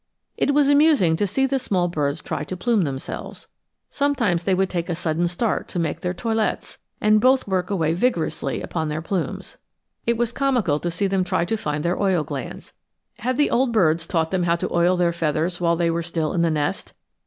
It was amusing to see the small birds try to plume themselves. Sometimes they would take a sudden start to make their toilettes, and both work away vigorously upon their plumes. It was comical to see them try to find their oil glands. Had the old birds taught them how to oil their feathers while they were still in the nest?